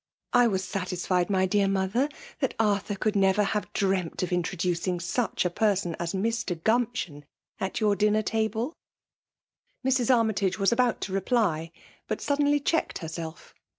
^ I was satisfied, my dear mother, that Arthur could never have dreamed of introducing sndi a person as Mr. Gumption at your dinner table/' Mrs. Arraytage was about to reply, but sod* denly checked herself.